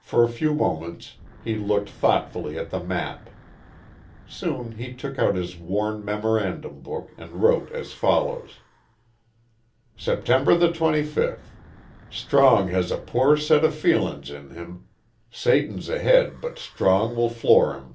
For a few moments he looked thoughtfully at the map. Soon he took out his worn memorandum book and wrote as follows: _"Sep the 25. Strong has a poor set of feel in's in him Satans ahed but Strong will flore him."